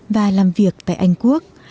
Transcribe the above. hà làm việc tại anh quốc